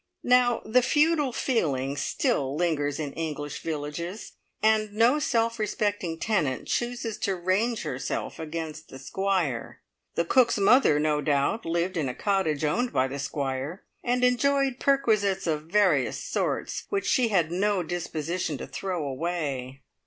Now the feudal feeling still lingers in English villages, and no self respecting tenant chooses to range herself against the Squire. The cook's mother, no doubt, lived in a cottage owned by the Squire, and enjoyed perquisites of various sorts which she had no disposition to throw away.